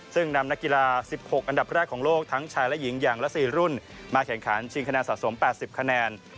ซึ่งนำนักกีฬา๑๖อันดับแรกของโลกทั้งชายและหญิงอย่างละ๔รุ่นมาแข่งขันชิงคะแนนสะสม๘๐คะแนน